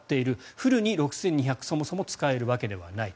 フルに６２００そもそも使えるわけではない。